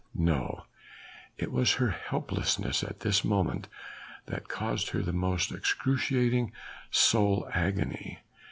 No! it was her helplessness at this moment that caused her the most excruciating soul agony.